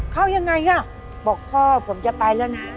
เขายังไงอ่ะบอกพ่อผมจะไปแล้วนะ